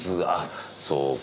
そうか。